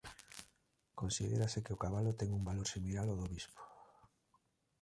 Considérase que o cabalo ten un valor similar ao do bispo.